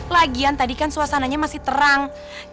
magian tadi kan suasana nya masih terangi